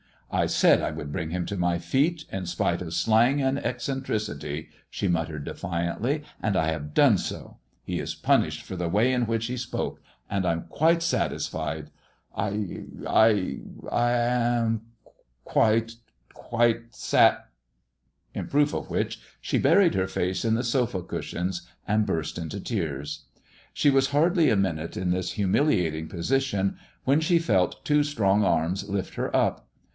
" I said I would bring him to my feet in spite of slang and eccentricity," she muttered, defiantly; "and I have done so ! He is punished for the way in which he spoke and I'm quite satisfied. I — I — I — am— quite — quite sat " In proof of which she biu*ied her face in the sofa cushions and burst into tears. She was hardly a minute in this humiliating position when she felt two strong arms lift her up.